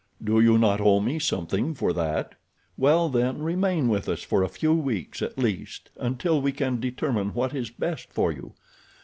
Do you not owe me something for that? Well, then remain with us for a few weeks at least until we can determine what is best for you.